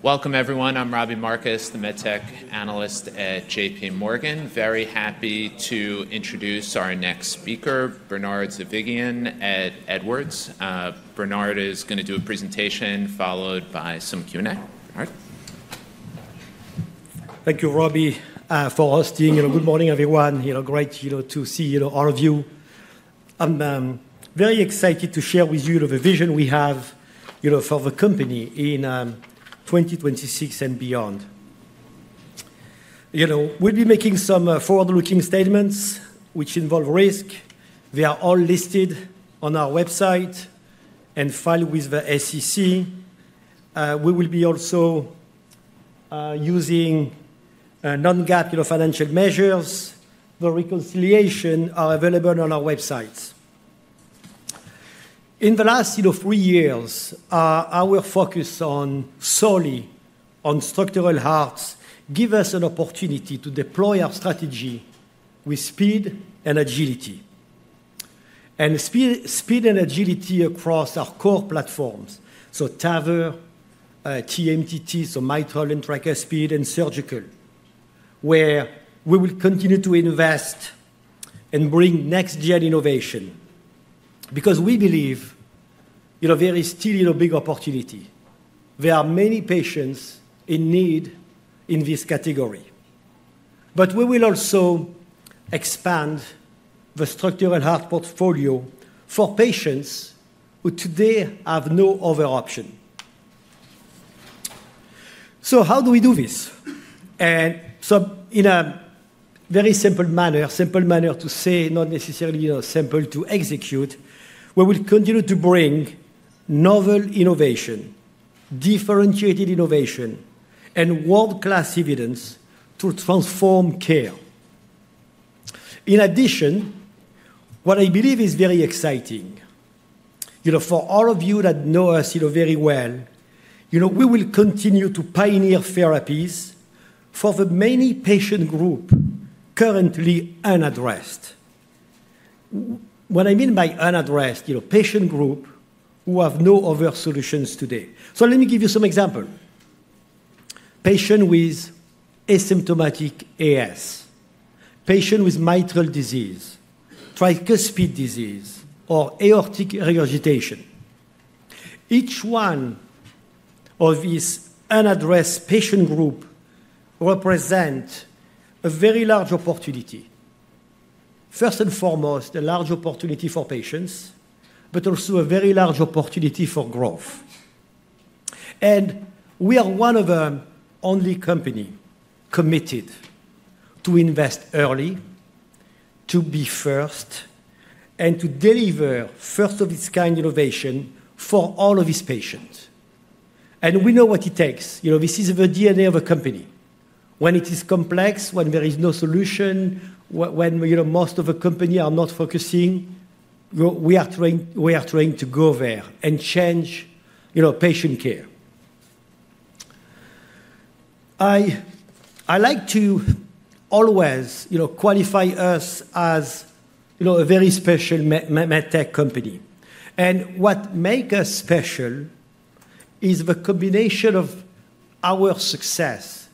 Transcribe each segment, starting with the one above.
Welcome, everyone. I'm Robbie Marcus, the MedTech analyst at JPMorgan. Very happy to introduce our next speaker, Bernard Zovighian, at Edwards. Bernard is going to do a presentation followed by some Q&A. Thank you, Robbie, for hosting. Good morning, everyone. Great to see all of you. I'm very excited to share with you the vision we have for the company in 2026 and beyond. We'll be making some forward-looking statements which involve risk. They are all listed on our website and filed with the SEC. We will be also using non-GAAP financial measures. The reconciliations are available on our website. In the last three years, our focus solely on structural hearts gave us an opportunity to deploy our strategy with speed and agility, and speed and agility across our core platforms, so TAVR, TMTT, so Mitral, Tricuspid, and Surgical, where we will continue to invest and bring next-gen innovation. Because we believe there is still a big opportunity. There are many patients in need in this category. But we will also expand the structural heart portfolio for patients who today have no other option. So how do we do this? And so in a very simple manner, simple manner to say, not necessarily simple to execute, we will continue to bring novel innovation, differentiated innovation, and world-class evidence to transform care. In addition, what I believe is very exciting, for all of you that know us very well, we will continue to pioneer therapies for the many patient groups currently unaddressed. What I mean by unaddressed, patient groups who have no other solutions today. So let me give you some examples. Patients with asymptomatic AS, patients with mitral disease, tricuspid disease, or aortic regurgitation. Each one of these unaddressed patient groups represents a very large opportunity. First and foremost, a large opportunity for patients, but also a very large opportunity for growth. And we are one of the only companies committed to invest early, to be first, and to deliver first-of-its-kind innovation for all of these patients. And we know what it takes. This is the DNA of a company. When it is complex, when there is no solution, when most of the companies are not focusing, we are trying to go there and change patient care. I like to always qualify us as a very special MedTech company. And what makes us special is the combination of our success,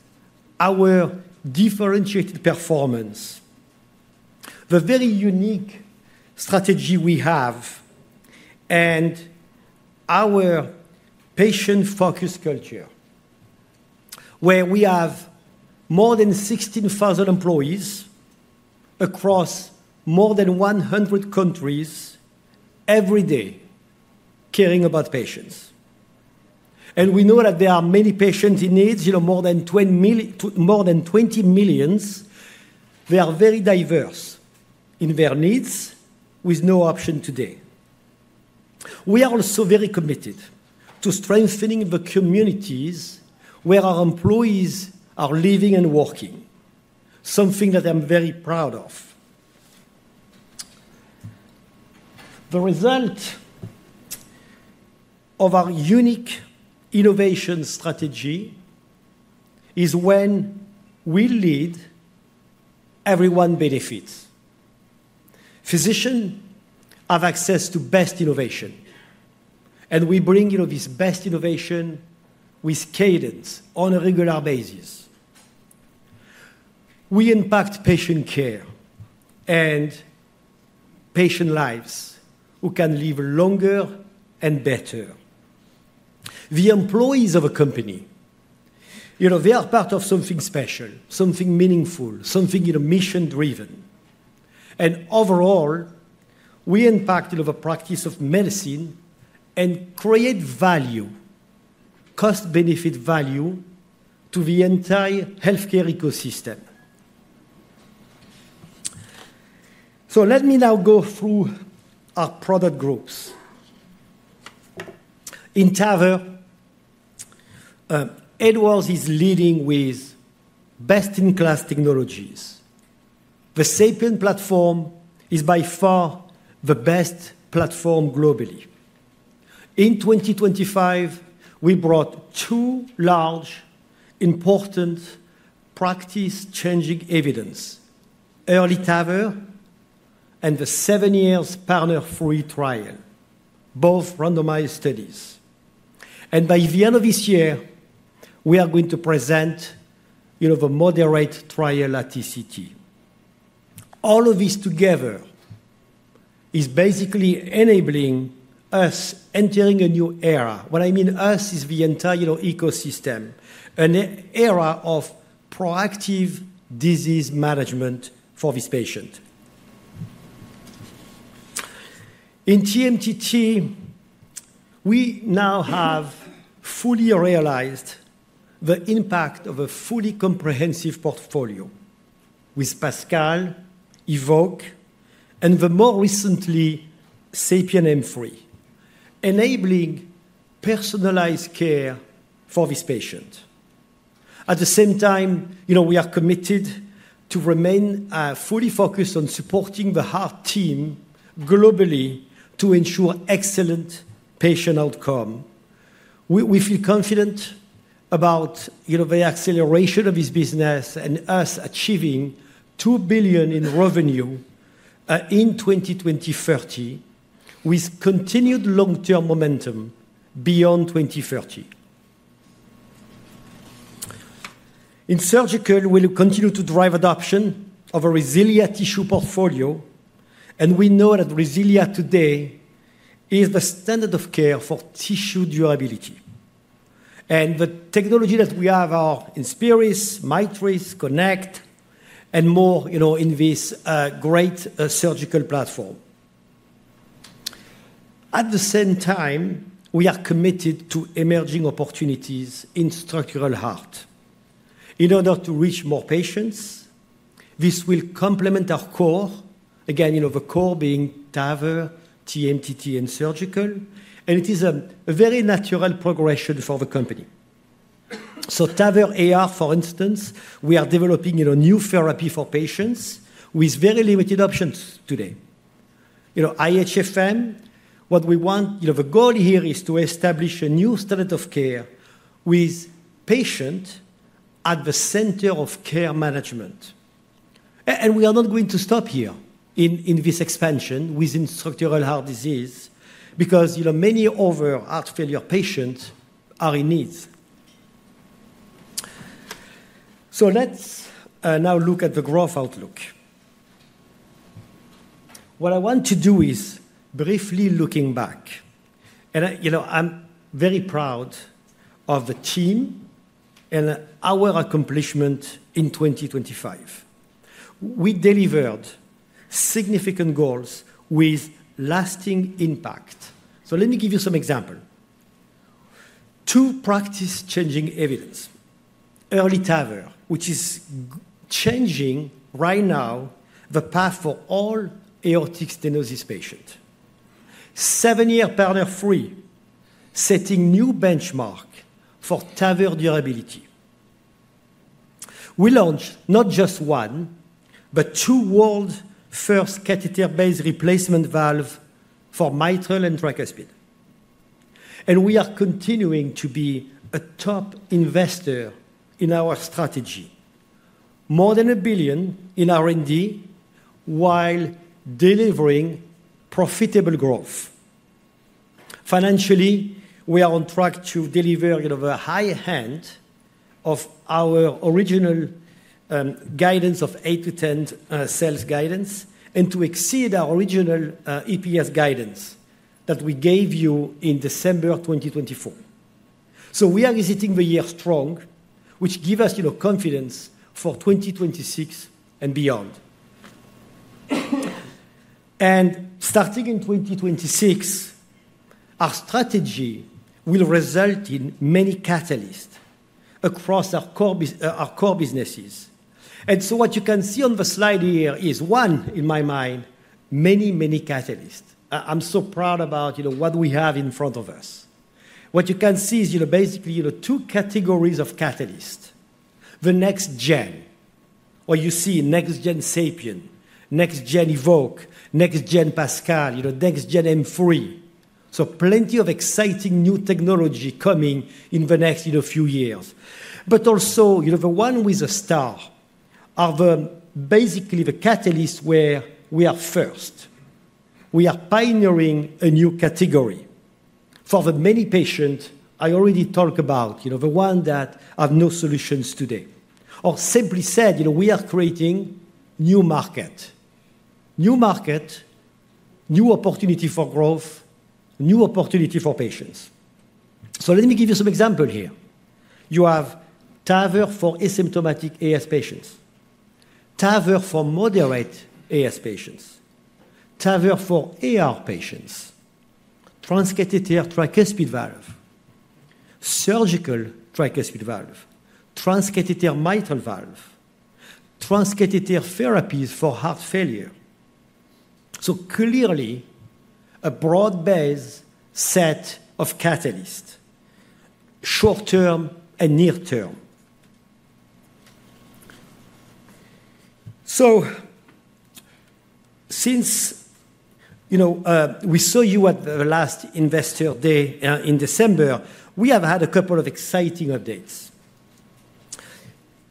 our differentiated performance, the very unique strategy we have, and our patient-focused culture, where we have more than 16,000 employees across more than 100 countries every day caring about patients. And we know that there are many patients in need, more than 20 million. They are very diverse in their needs with no option today. We are also very committed to strengthening the communities where our employees are living and working, something that I'm very proud of. The result of our unique innovation strategy is when we lead, everyone benefits. Physicians have access to best innovation. And we bring this best innovation with cadence on a regular basis. We impact patient care and patient lives who can live longer and better. The employees of a company, they are part of something special, something meaningful, something mission-driven. And overall, we impact the practice of medicine and create value, cost-benefit value to the entire healthcare ecosystem. So let me now go through our product groups. In TAVR, Edwards is leading with best-in-class technologies. The SAPIEN platform is by far the best platform globally. In 2025, we brought two large important practice-changing evidence, EARLY TAVR and the seven-year PARTNER 3 trial, both randomized studies. By the end of this year, we are going to present the MODERATE trial at TCT. All of this together is basically enabling us entering a new era. What I mean by us is the entire ecosystem, an era of proactive disease management for this patient. In TMTT, we now have fully realized the impact of a fully comprehensive portfolio with PASCAL, EVOQUE, and more recently, SAPIEN M3, enabling personalized care for this patient. At the same time, we are committed to remain fully focused on supporting the Heart Team globally to ensure excellent patient outcome. We feel confident about the acceleration of this business and us achieving $2 billion in revenue in 2030 with continued long-term momentum beyond 2030. In surgical, we will continue to drive adoption of a RESILIA tissue portfolio. We know that RESILIA today is the standard of care for tissue durability. And the technology that we have are INSPIRIS, MITRIS, KONECT, and more in this great surgical platform. At the same time, we are committed to emerging opportunities in structural heart. In order to reach more patients, this will complement our core, again, the core being TAVR, TMTT, and surgical. And it is a very natural progression for the company. So TAVR AR, for instance, we are developing a new therapy for patients with very limited options today. IHFM, what we want, the goal here is to establish a new standard of care with patients at the center of care management. And we are not going to stop here in this expansion within structural heart disease because many other heart failure patients are in need. So let's now look at the growth outlook. What I want to do is briefly look back. I'm very proud of the team and our accomplishment in 2025. We delivered significant goals with lasting impact. Let me give you some examples. Two practice-changing evidence. EARLY TAVR, which is changing right now the path for all aortic stenosis patients. Seven-year PARTNER 3, setting new benchmark for TAVR durability. We launched not just one, but two world-first catheter-based replacement valves for mitral and tricuspid. And we are continuing to be a top investor in our strategy. More than $1 billion in R&D while delivering profitable growth. Financially, we are on track to deliver the high end of our original guidance of 8-10 sales guidance and to exceed our original EPS guidance that we gave you in December 2024. We are exiting the year strong, which gives us confidence for 2026 and beyond. Starting in 2026, our strategy will result in many catalysts across our core businesses. What you can see on the slide here is one, in my mind, many, many catalysts. I'm so proud about what we have in front of us. What you can see is basically two categories of catalysts. The next gen, where you see next-gen SAPIEN, next-gen EVOQUE, next-gen PASCAL, next-gen M3. Plenty of exciting new technology coming in the next few years. But also the one with a star are basically the catalysts where we are first. We are pioneering a new category. For the many patients I already talked about, the ones that have no solutions today. Simply said, we are creating a new market. New market, new opportunity for growth, new opportunity for patients. Let me give you some examples here. You have TAVR for asymptomatic AS patients, TAVR for moderate AS patients, TAVR for AR patients, transcatheter tricuspid valve, surgical tricuspid valve, transcatheter mitral valve, transcatheter therapies for heart failure. So clearly, a broad-based set of catalysts, short-term and near-term. So since we saw you at the last investor day in December, we have had a couple of exciting updates.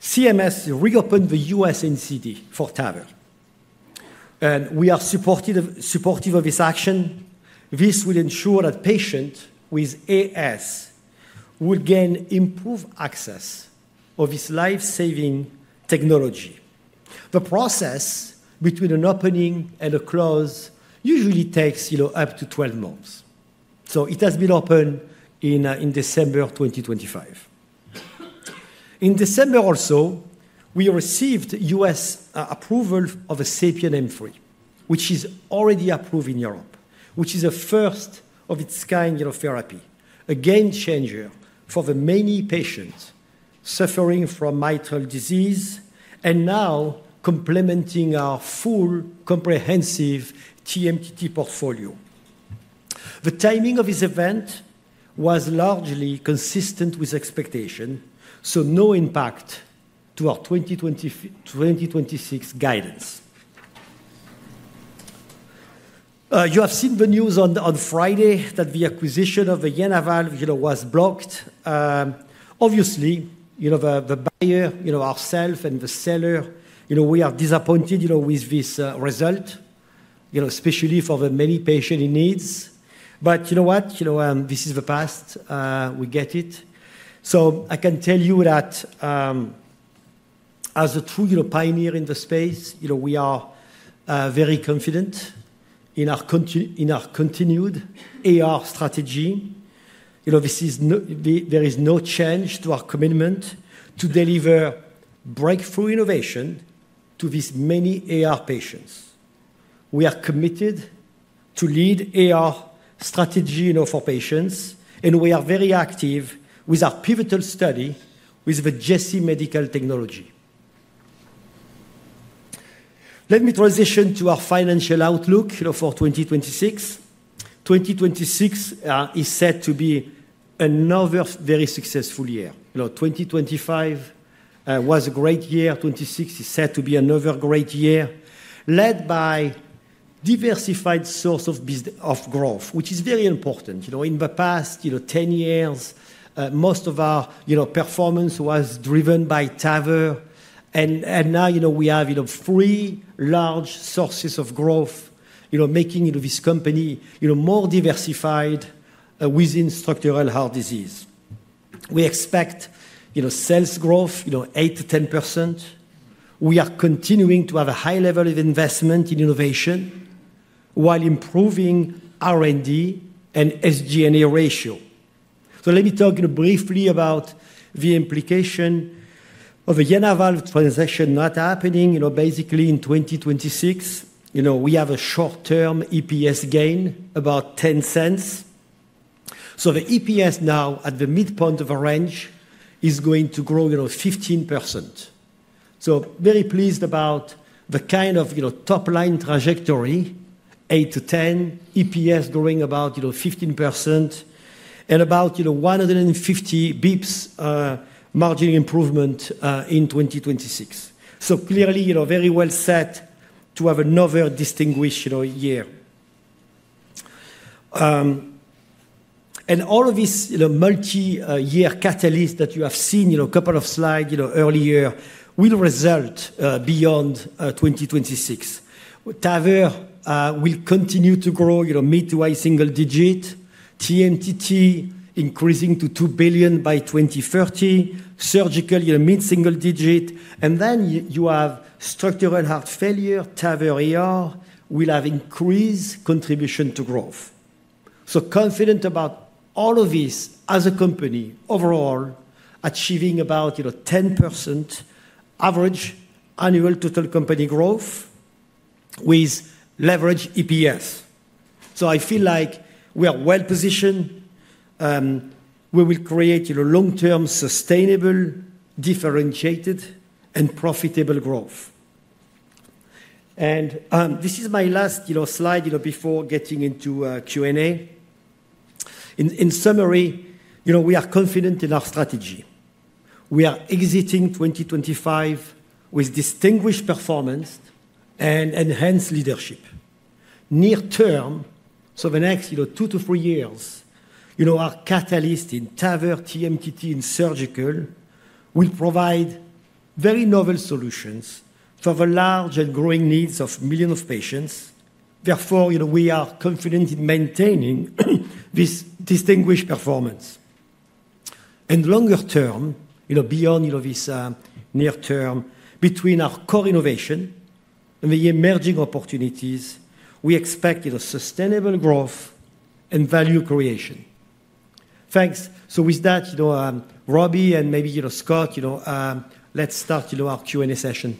CMS reopened the U.S. NCD for TAVR. And we are supportive of this action. This will ensure that patients with AS will gain improved access to this lifesaving technology. The process between an opening and a close usually takes up to 12 months. So it has been opened in December 2025. In December also, we received U.S. approval of a SAPIEN M3, which is already approved in Europe, which is a first-of-its-kind therapy, a game changer for the many patients suffering from mitral disease, and now complementing our full comprehensive TMTT portfolio. The timing of this event was largely consistent with expectation, so no impact to our 2026 guidance. You have seen the news on Friday that the acquisition of the JenaValve was blocked. Obviously, the buyer, ourselves, and the seller, we are disappointed with this result, especially for the many patients in need. But you know what? This is the past. We get it. So I can tell you that as a true pioneer in the space, we are very confident in our continued AR strategy. There is no change to our commitment to deliver breakthrough innovation to these many AR patients. We are committed to lead AR strategy for patients. We are very active with our pivotal study with the JC Medical technology. Let me transition to our financial outlook for 2026. 2026 is set to be another very successful year. 2025 was a great year. 2026 is set to be another great year, led by a diversified source of growth, which is very important. In the past 10 years, most of our performance was driven by TAVR. Now we have three large sources of growth, making this company more diversified within structural heart disease. We expect sales growth of 8%-10%. We are continuing to have a high level of investment in innovation while improving R&D and SG&A ratio. Let me talk briefly about the implication of the JenaValve transaction not happening basically in 2026. We have a short-term EPS gain of about $0.10. So the EPS now at the midpoint of a range is going to grow 15%. So very pleased about the kind of top-line trajectory, 8%-10%, EPS growing about 15%, and about 150 basis points margin improvement in 2026. So clearly, very well set to have another distinguished year. And all of these multi-year catalysts that you have seen in a couple of slides earlier will result beyond 2026. TAVR will continue to grow mid- to high-single-digit, TMTT increasing to $2 billion by 2030, surgical mid-single-digit. And then you have structural heart failure, TAVR AR will have increased contribution to growth. So confident about all of this as a company, overall achieving about 10% average annual total company growth with leveraged EPS. So I feel like we are well positioned. We will create long-term sustainable, differentiated, and profitable growth. And this is my last slide before getting into Q&A. In summary, we are confident in our strategy. We are exiting 2025 with distinguished performance and enhanced leadership. Near term, so the next two to three years, our catalyst in TAVR, TMTT, and surgical will provide very novel solutions for the large and growing needs of millions of patients. Therefore, we are confident in maintaining this distinguished performance. And longer term, beyond this near term, between our core innovation and the emerging opportunities, we expect sustainable growth and value creation. Thanks. So with that, Robbie and maybe Scott, let's start our Q&A session.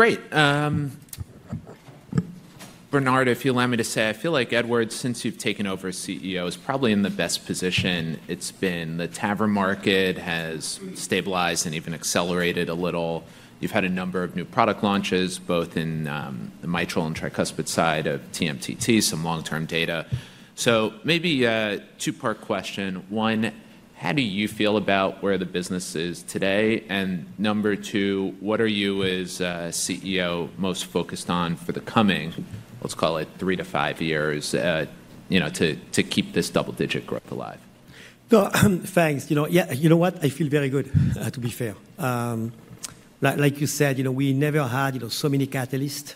Great. Bernard, if you'll allow me to say, I feel like Edwards, since you've taken over as CEO, is probably in the best position it's been. The TAVR market has stabilized and even accelerated a little. You've had a number of new product launches, both in the mitral and tricuspid side of TMTT, some long-term data. So maybe a two-part question. One, how do you feel about where the business is today? And number two, what are you as CEO most focused on for the coming, let's call it, three to five years to keep this double-digit growth alive? Thanks. You know what? I feel very good, to be fair. Like you said, we never had so many catalysts.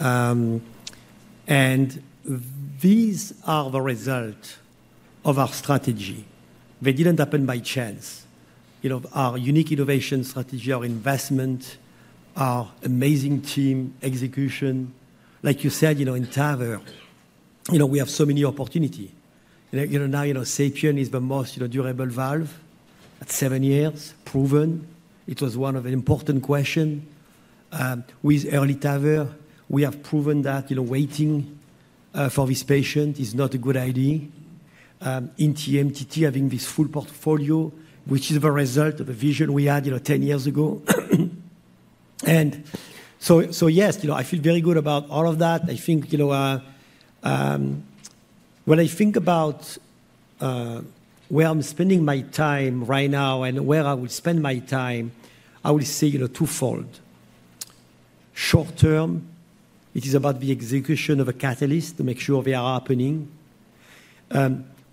And these are the results of our strategy. They didn't happen by chance. Our unique innovation strategy, our investment, our amazing team execution. Like you said, in TAVR, we have so many opportunities. Now, SAPIEN is the most durable valve at seven years, proven. It was one of the important questions. With EARLY TAVR, we have proven that waiting for this patient is not a good idea. In TMTT, having this full portfolio, which is the result of a vision we had 10 years ago. And so yes, I feel very good about all of that. I think when I think about where I'm spending my time right now and where I will spend my time, I will see twofold. Short term, it is about the execution of a catalyst to make sure they are happening.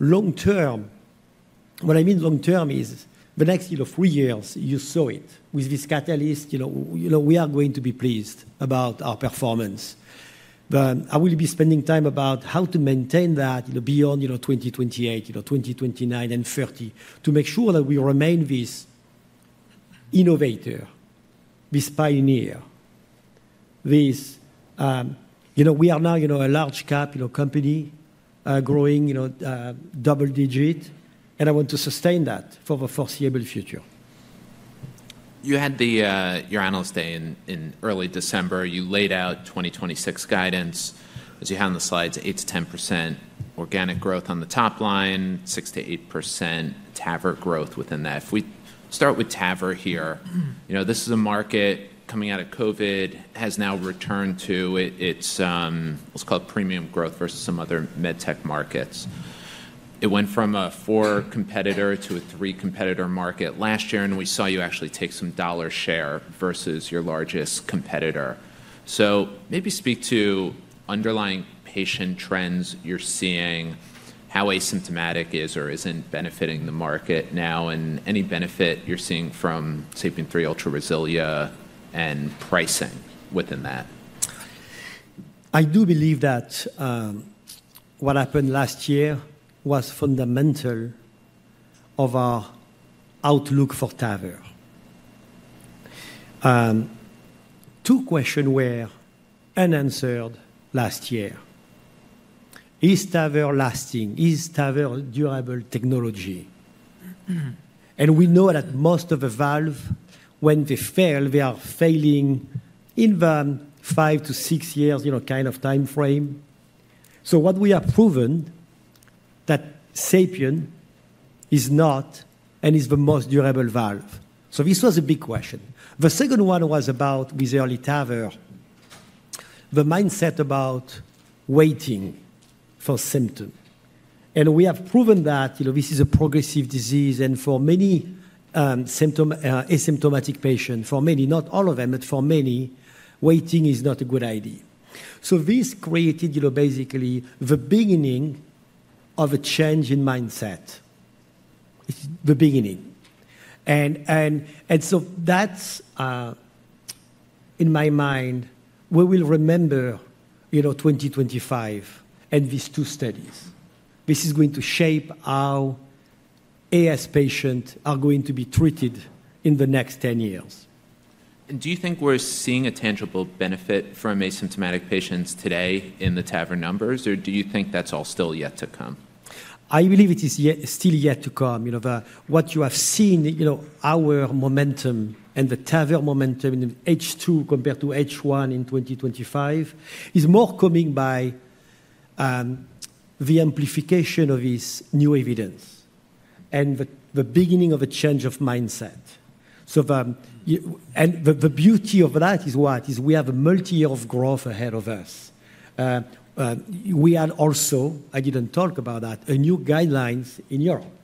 Long term, what I mean long term is the next three years, you saw it. With this catalyst, we are going to be pleased about our performance. But I will be spending time about how to maintain that beyond 2028, 2029, and 2030 to make sure that we remain this innovator, this pioneer. We are now a large-cap company growing double-digit. And I want to sustain that for the foreseeable future. You had your analyst day in early December. You laid out 2026 guidance, as you have on the slides, 8%-10% organic growth on the top line, 6%-8% TAVR growth within that. If we start with TAVR here, this is a market coming out of COVID, has now returned to its, let's call it, premium growth versus some other medtech markets. It went from a four-competitor to a three-competitor market last year. And we saw you actually take some dollar share versus your largest competitor. So maybe speak to underlying patient trends you're seeing, how asymptomatic is or isn't benefiting the market now, and any benefit you're seeing from SAPIEN 3 Ultra RESILIA and pricing within that. I do believe that what happened last year was fundamental of our outlook for TAVR. Two questions were unanswered last year. Is TAVR lasting? Is TAVR a durable technology? And we know that most of the valves, when they fail, they are failing in the five-to-six years kind of time frame. So what we have proven is that SAPIEN is not and is the most durable valve. So this was a big question. The second one was about with EARLY TAVR, the mindset about waiting for symptoms. And we have proven that this is a progressive disease. And for many asymptomatic patients, for many, not all of them, but for many, waiting is not a good idea. So this created basically the beginning of a change in mindset. It's the beginning. And so that's, in my mind, we will remember 2025 and these two studies. This is going to shape how AS patients are going to be treated in the next 10 years. Do you think we're seeing a tangible benefit from asymptomatic patients today in the TAVR numbers? Or do you think that's all still yet to come? I believe it is still yet to come. What you have seen, our momentum and the TAVR momentum in H2 compared to H1 in 2025 is more coming by the amplification of this new evidence and the beginning of a change of mindset. And the beauty of that is what? Is we have a multi-year of growth ahead of us. We had also, I didn't talk about that, a new guidelines in Europe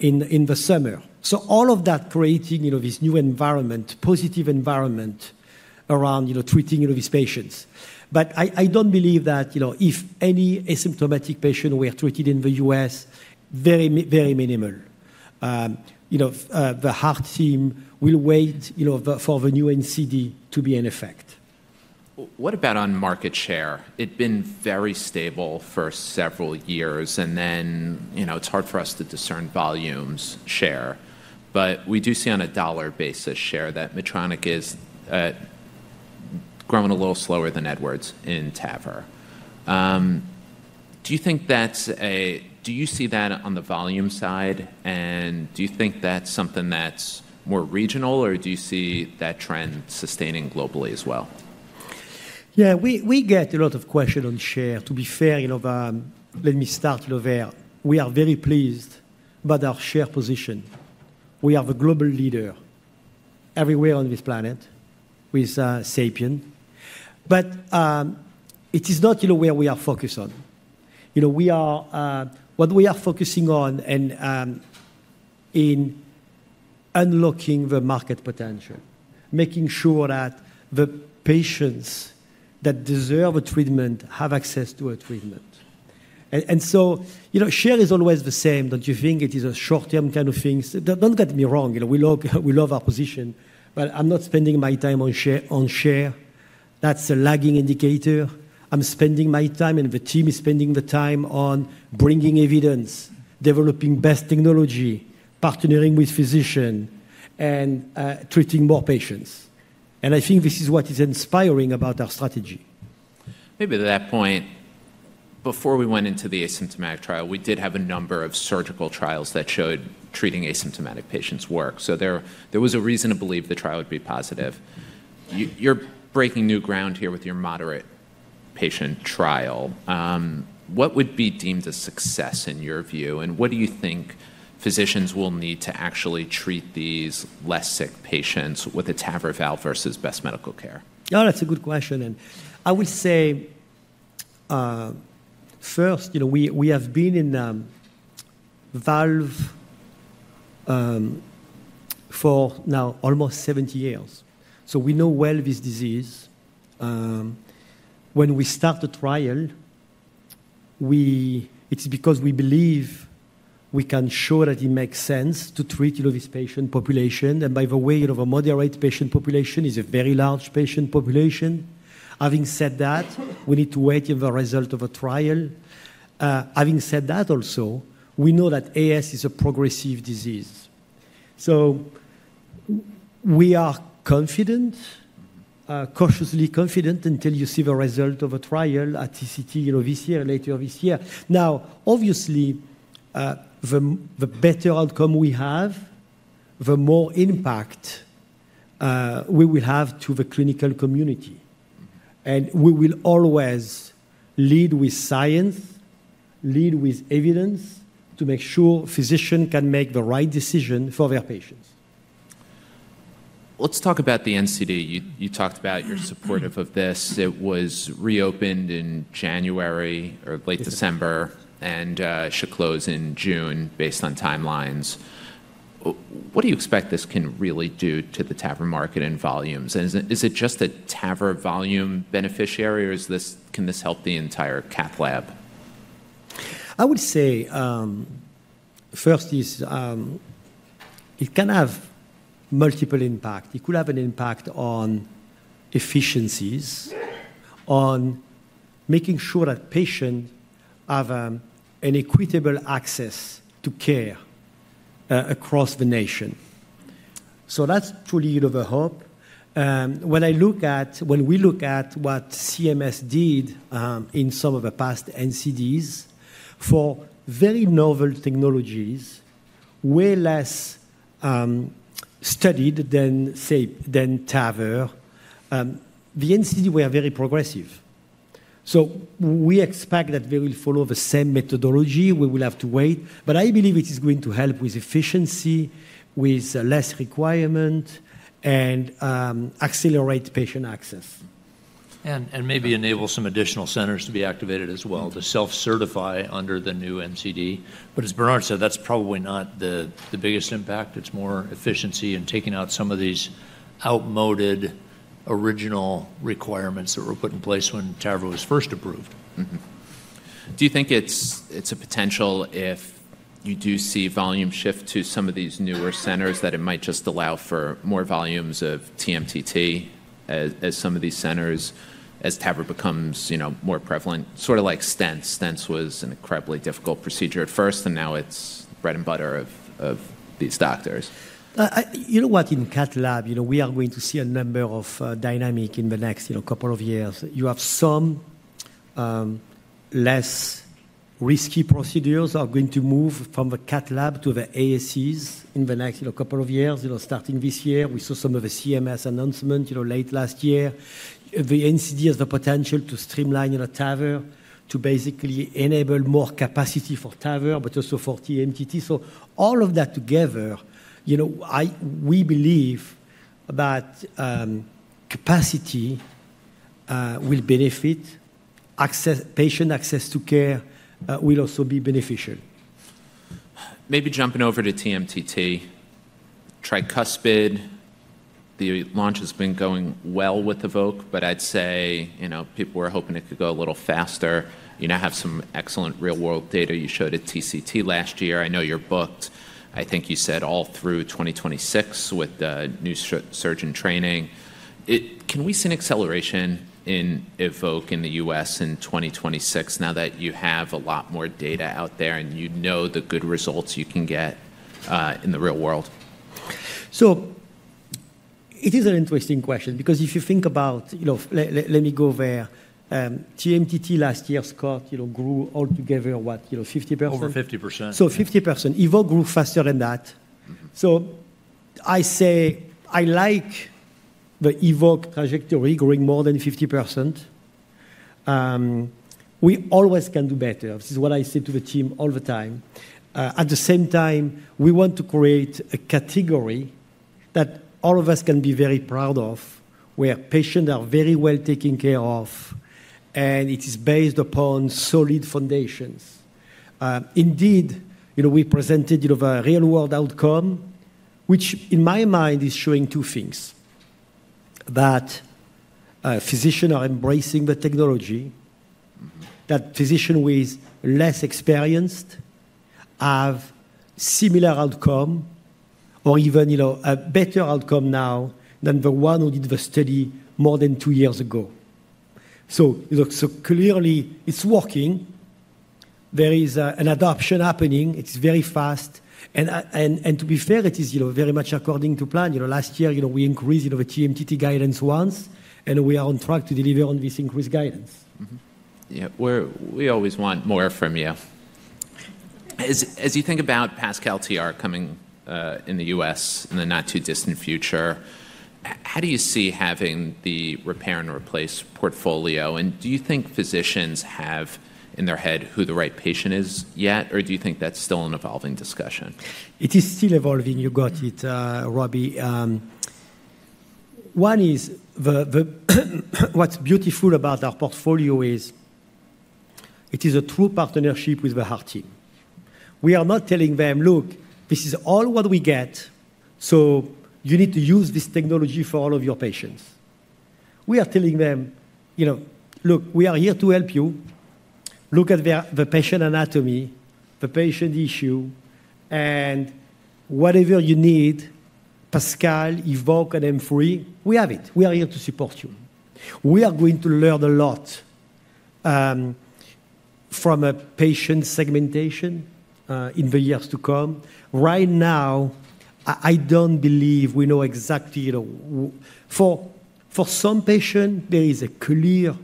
in the summer. So all of that creating this new environment, positive environment around treating these patients. But I don't believe that if any asymptomatic patient were treated in the U.S., very minimal. The Heart Team will wait for the new NCD to be in effect. What about on market share? It's been very stable for several years, and then it's hard for us to discern volumes share, but we do see on a dollar basis share that Medtronic is growing a little slower than Edwards in TAVR. Do you think that's? Do you see that on the volume side? And do you think that's something that's more regional? Or do you see that trend sustaining globally as well? Yeah, we get a lot of questions on share. To be fair, let me start there. We are very pleased about our share position. We are the global leader everywhere on this planet with SAPIEN, but it is not where we are focused on. What we are focusing on in unlocking the market potential, making sure that the patients that deserve a treatment have access to a treatment, and so share is always the same. Don't you think it is a short-term kind of thing? Don't get me wrong. We love our position. But I'm not spending my time on share. That's a lagging indicator. I'm spending my time and the team is spending the time on bringing evidence, developing best technology, partnering with physicians, and treating more patients. And I think this is what is inspiring about our strategy. Maybe to that point, before we went into the asymptomatic trial, we did have a number of surgical trials that showed treating asymptomatic patients work. So there was a reason to believe the trial would be positive. You're breaking new ground here with your moderate patient trial. What would be deemed a success in your view? And what do you think physicians will need to actually treat these less sick patients with a TAVR valve versus best medical care? Oh, that's a good question. I would say first, we have been in valve for now almost 70 years. So we know well this disease. When we start the trial, it's because we believe we can show that it makes sense to treat this patient population. By the way, a moderate patient population is a very large patient population. Having said that, we need to wait for the result of a trial. Having said that also, we know that AS is a progressive disease. So we are confident, cautiously confident until you see the result of a trial at TCT this year or later this year. Now, obviously, the better outcome we have, the more impact we will have to the clinical community. We will always lead with science, lead with evidence to make sure physicians can make the right decision for their patients. Let's talk about the NCD. You talked about you're supportive of this. It was reopened in January or late December and should close in June based on timelines. What do you expect this can really do to the TAVR market and volumes? And is it just a TAVR volume beneficiary? Or can this help the entire cath lab? I would say, first, it can have multiple impacts. It could have an impact on efficiencies, on making sure that patients have an equitable access to care across the nation. So that's truly the hope. When we look at what CMS did in some of the past NCDs for very novel technologies, way less studied than, say, TAVR, the NCDs were very progressive. So we expect that they will follow the same methodology. We will have to wait. But I believe it is going to help with efficiency, with less requirement, and accelerate patient access. And maybe enable some additional centers to be activated as well to self-certify under the new NCD. But as Bernard said, that's probably not the biggest impact. It's more efficiency and taking out some of these outmoded original requirements that were put in place when TAVR was first approved. Do you think it's a potential if you do see volume shift to some of these newer centers that it might just allow for more volumes of TMTT as some of these centers as TAVR becomes more prevalent? Sort of like stents. Stents was an incredibly difficult procedure at first. And now it's bread and butter of these doctors. You know what? In Cath Lab, we are going to see a number of dynamics in the next couple of years. You have some less risky procedures that are going to move from the Cath Lab to the ASCs in the next couple of years, starting this year. We saw some of the CMS announcement late last year. The NCD has the potential to streamline TAVR to basically enable more capacity for TAVR, but also for TMTT. So all of that together, we believe that capacity will benefit. Patient access to care will also be beneficial. Maybe jumping over to TMTT. Tricuspid, the launch has been going well with the EVOQUE, but I'd say people were hoping it could go a little faster. You now have some excellent real-world data you showed at TCT last year. I know you're booked. I think you said all through 2026 with new surgeon training. Can we see an acceleration in EVOQUE in the U.S. in 2026 now that you have a lot more data out there and you know the good results you can get in the real world? So it is an interesting question. Because if you think about, let me go there. TMTT last year's cut grew altogether what? 50%? Over 50%. So 50%. EVOQUE grew faster than that. So I say I like the EVOQUE trajectory growing more than 50%. We always can do better. This is what I say to the team all the time. At the same time, we want to create a category that all of us can be very proud of, where patients are very well taken care of. And it is based upon solid foundations. Indeed, we presented a real-world outcome, which in my mind is showing two things: that physicians are embracing the technology, that physicians with less experience have similar outcomes or even a better outcome now than the one who did the study more than two years ago. So clearly, it's working. There is an adoption happening. It's very fast. And to be fair, it is very much according to plan. Last year, we increased the TMTT guidance once. And we are on track to deliver on this increased guidance. Yeah, we always want more from you. As you think about PASCAL TR coming in the U.S. in the not-too-distant future, how do you see having the repair and replace portfolio? And do you think physicians have in their head who the right patient is yet? Or do you think that's still an evolving discussion? It is still evolving. You got it, Robbie. One is what's beautiful about our portfolio is it is a true partnership with the Heart Team. We are not telling them, "Look, this is all what we get. So you need to use this technology for all of your patients." We are telling them, "Look, we are here to help you. Look at the patient anatomy, the patient issue. And whatever you need, PASCAL, EVOQUE, and M3, we have it. We are here to support you." We are going to learn a lot from patient segmentation in the years to come. Right now, I don't believe we know exactly. For some patients, there is a clear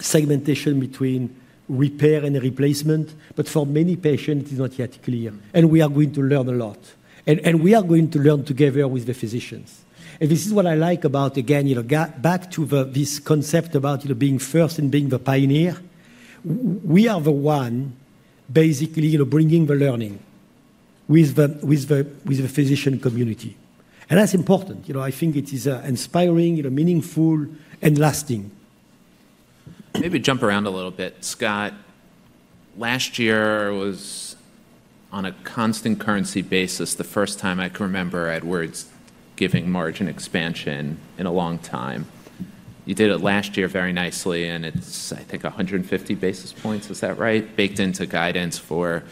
segmentation between repair and replacement. But for many patients, it is not yet clear. And we are going to learn a lot. And we are going to learn together with the physicians. This is what I like about, again, back to this concept about being first and being the pioneer. We are the one basically bringing the learning with the physician community. That's important. I think it is inspiring, meaningful, and lasting. Maybe jump around a little bit. Scott, last year was on a constant currency basis. The first time I can remember, I had words giving margin expansion in a long time. You did it last year very nicely. It's, I think, 150 basis points. Is that right? Baked into guidance for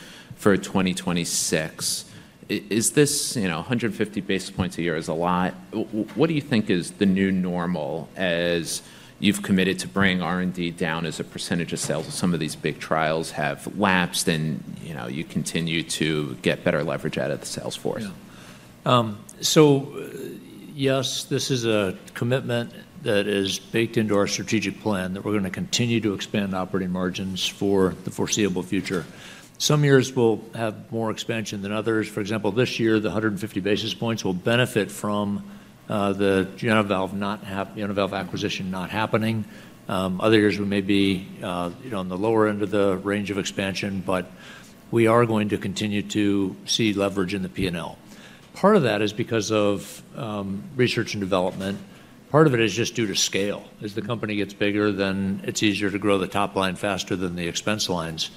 2026. Is this 150 basis points a year a lot? What do you think is the new normal as you've committed to bringing R&D down as a percentage of sales? Some of these big trials have lapsed. You continue to get better leverage out of the sales force. Yes, this is a commitment that is baked into our strategic plan that we're going to continue to expand operating margins for the foreseeable future. Some years will have more expansion than others. For example, this year, the 150 basis points will benefit from the JenaValve acquisition not happening. Other years, we may be on the lower end of the range of expansion. But we are going to continue to see leverage in the P&L. Part of that is because of research and development. Part of it is just due to scale. As the company gets bigger, then it's easier to grow the top line faster than the expense lines.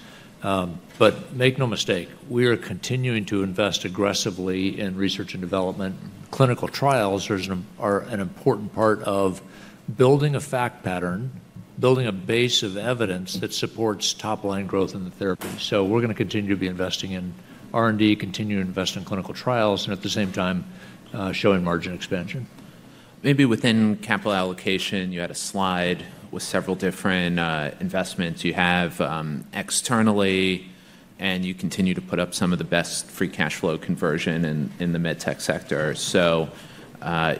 But make no mistake, we are continuing to invest aggressively in research and development. Clinical trials are an important part of building a fact pattern, building a base of evidence that supports top line growth in the therapy. So we're going to continue to be investing in R&D, continue to invest in clinical trials, and at the same time, showing margin expansion. Maybe within capital allocation, you had a slide with several different investments. You have externally, and you continue to put up some of the best free cash flow conversion in the medtech sector, so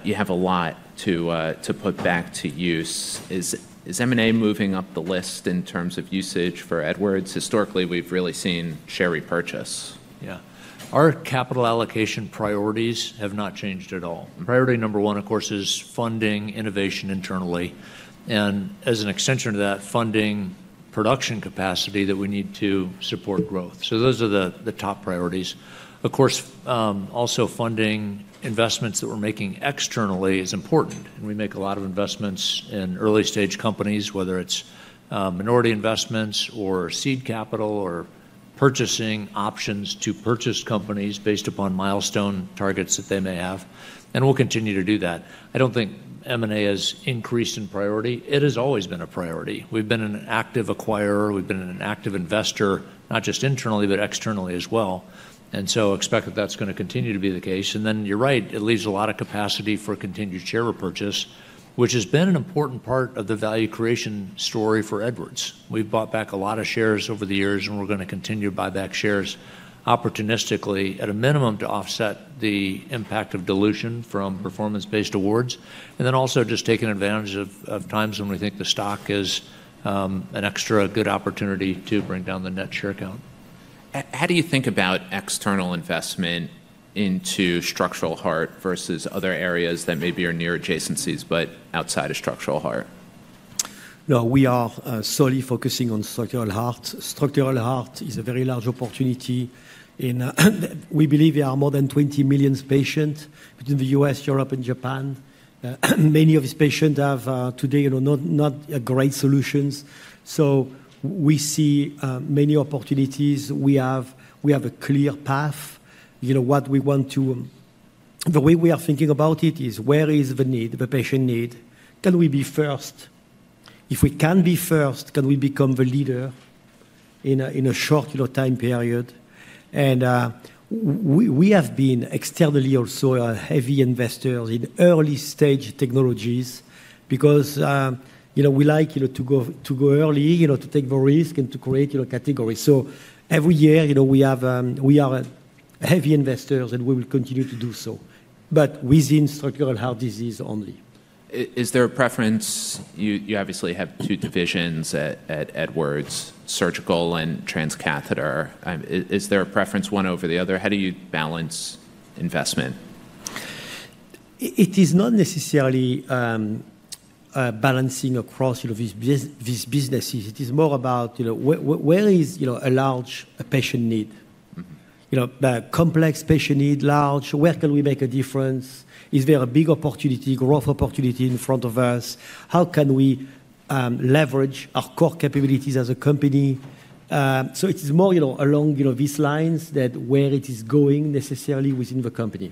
you have a lot to put back to use. Is M&A moving up the list in terms of usage for Edwards? Historically, we've really seen share repurchase. Yeah. Our capital allocation priorities have not changed at all. Priority number one, of course, is funding innovation internally, and as an extension of that, funding production capacity that we need to support growth, so those are the top priorities. Of course, also funding investments that we're making externally is important. And we make a lot of investments in early-stage companies, whether it's minority investments or seed capital or purchasing options to purchase companies based upon milestone targets that they may have. And we'll continue to do that. I don't think M&A has increased in priority. It has always been a priority. We've been an active acquirer. We've been an active investor, not just internally, but externally as well. And so expect that that's going to continue to be the case. And then you're right. It leaves a lot of capacity for continued share repurchase, which has been an important part of the value creation story for Edwards. We've bought back a lot of shares over the years. And we're going to continue to buy back shares opportunistically at a minimum to offset the impact of dilution from performance-based awards. Then also just taking advantage of times when we think the stock is an extra good opportunity to bring down the net share count. How do you think about external investment into Structural Heart versus other areas that maybe are near adjacencies but outside of Structural Heart? No, we are solely focusing on Structural Heart. Structural Heart is a very large opportunity, and we believe there are more than 20 million patients between the U.S., Europe, and Japan. Many of these patients have today not great solutions. So we see many opportunities. We have a clear path. What we want, the way we are thinking about it, is where is the need, the patient need? Can we be first? If we can be first, can we become the leader in a short time period, and we have been externally also heavy investors in early-stage technologies. Because we like to go early, to take the risk, and to create categories. So every year, we are heavy investors. And we will continue to do so. But within structural heart disease only. Is there a preference? You obviously have two divisions at Edwards: surgical and transcatheter. Is there a preference one over the other? How do you balance investment? It is not necessarily balancing across these businesses. It is more about where is a large patient need? Complex patient need, large? Where can we make a difference? Is there a big opportunity, growth opportunity in front of us? How can we leverage our core capabilities as a company? So it is more along these lines that where it is going necessarily within the company.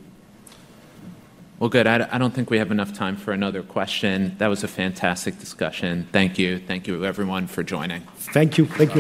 Good. I don't think we have enough time for another question. That was a fantastic discussion. Thank you. Thank you, everyone, for joining. Thank you. Thank you.